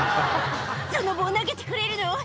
「その棒投げてくれるの？